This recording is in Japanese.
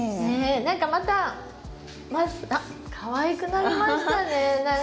何かまたあっかわいくなりましたね何か。